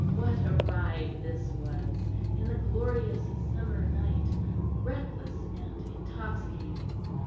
What a ride this was, in the glorious summer night reckless and intoxicating!